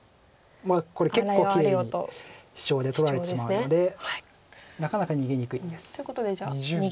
これ結構きれいにシチョウで取られてしまうのでなかなか逃げにくいんです。ということでじゃあ逃げれないと。